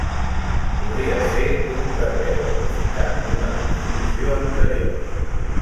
Podria ser un carreu aprofitat d'una construcció anterior.